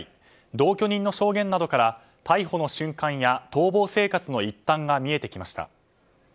同居人の証言などから逮捕の瞬間や逃亡生活の一端が見えてきました。